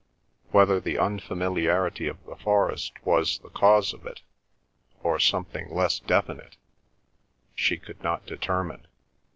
Whether the unfamiliarity of the forest was the cause of it, or something less definite, she could not determine.